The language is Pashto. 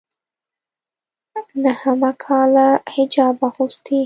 ا نهه کاله حجاب اغوستی